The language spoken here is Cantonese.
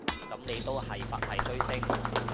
噉你都係佛系追星